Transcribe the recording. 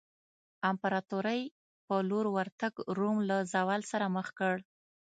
امپراتورۍ په لور ورتګ روم له زوال سره مخ کړ.